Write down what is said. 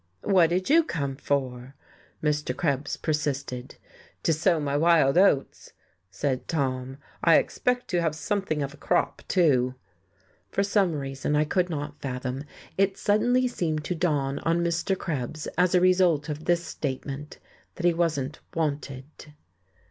"What did you come for?" Mr. Krebs persisted. "To sow my wild oats," said Tom. "I expect to have something of a crop, too." For some reason I could not fathom, it suddenly seemed to dawn on Mr. Krebs, as a result of this statement, that he wasn't wanted.